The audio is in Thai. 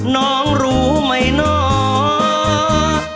น้องรู้ไหมเนาะ